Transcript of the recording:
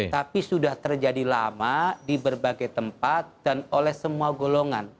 tapi sudah terjadi lama di berbagai tempat dan oleh semua golongan